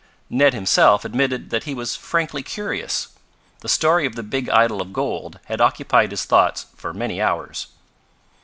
Ned himself admitted that he was frankly curious. The story of the big idol of gold had occupied his thoughts for many hours.